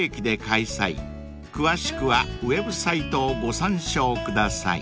［詳しくはウェブサイトをご参照ください］